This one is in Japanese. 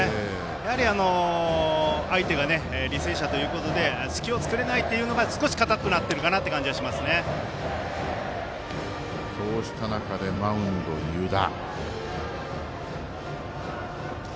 やはり相手が履正社ということで隙を作れないというのが少し硬くなってるかなというそうした中でマウンドは、湯田。